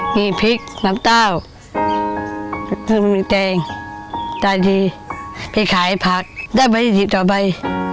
มีพริกน้ำเต้ามีแจงแต่ทีไปขายผักได้บริษัทต่อไป